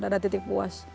ada titik puas